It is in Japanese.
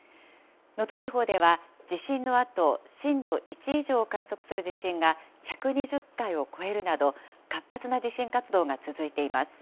能登地方では、地震のあと震度１以上を観測する地震が１２０回を超えるなど、活発な地震活動が続いています。